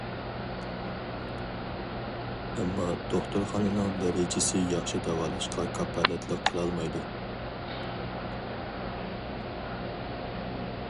ئەمما دوختۇرخانىنىڭ دەرىجىسى ياخشى داۋالاشقا كاپالەتلىك قىلالمايدۇ.